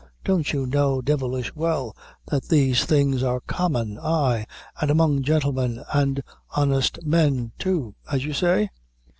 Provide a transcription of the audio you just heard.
Don't you know, devilish well, that these things are common, aye, and among gentlemen and honest men too, as you say?"